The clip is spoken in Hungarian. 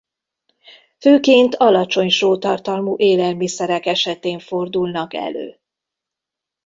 Főként alacsony sótartalmú élelmiszerek esetén fordulnak elő.